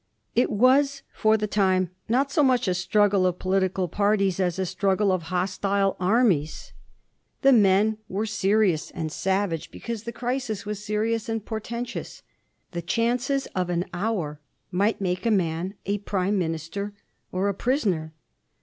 It was for the time not so much a struggle of political parties as a struggle of hostile armies. Digiti zed by Google 28 A mSTORY OF THE FOUR GEORGES. oh.il The men were serious and savage because the crisis was serious and portentous. The chances of an hour might make a man a prime minister or a prisoner.